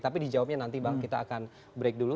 tapi di jawabnya nanti bang kita akan break dulu